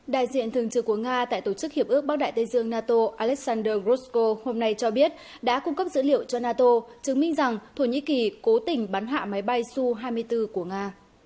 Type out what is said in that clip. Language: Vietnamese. đại diện thường trực của nga tại tổ chức hiệp ước bắc đại tây dương nato alessander grosko hôm nay cho biết đã cung cấp dữ liệu cho nato chứng minh rằng thổ nhĩ kỳ cố tình bắn hạ máy bay su hai mươi bốn của nga